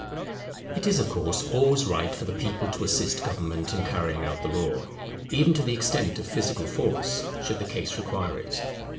It is of course always right for the people to assist government in carrying out the law, even to the extent of physical force, should the case require it.